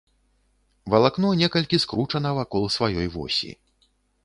Валакно некалькі скручана вакол сваёй восі.